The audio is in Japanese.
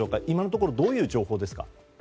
今のところどういう情報ですか。